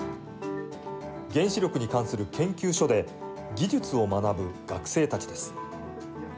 原子力に関する研究所で技術を学ぶ学生たちです。